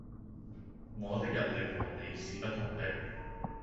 我的日曆和你是不同的！